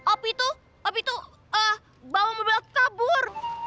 opi tuh opi tuh bawa mobil aku kabur